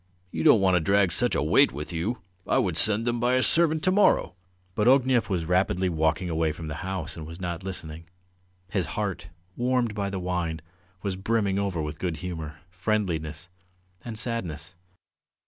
"You don't want to drag such a weight with you. I would send them by a servant to morrow!" But Ognev was rapidly walking away from the house and was not listening. His heart, warmed by the wine, was brimming over with good humour, friendliness, and sadness.